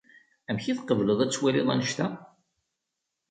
Amek i tqebleḍ ad twaliḍ annect-a?